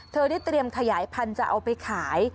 ได้เตรียมขยายพันธุ์จะเอาไปขาย